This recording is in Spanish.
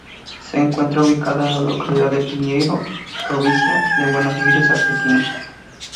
Se encuentra ubicada en la localidad de Piñeyro, Provincia de Buenos Aires, Argentina.